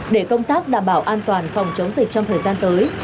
để công tác đảm bảo an toàn phòng chống dịch trong thời gian tới